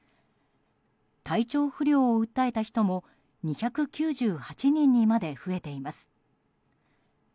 体調不良を訴えた人も２９８人にまで増えています。